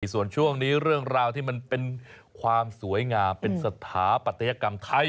ส่วนช่วงนี้เรื่องราวที่มันเป็นความสวยงามเป็นสถาปัตยกรรมไทย